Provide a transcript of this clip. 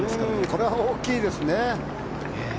これは大きいですね。